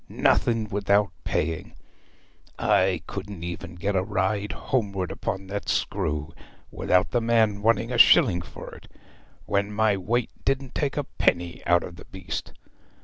Nothing without paying! I couldn't even get a ride homeward upon that screw without the man wanting a shilling for it, when my weight didn't take a penny out of the beast.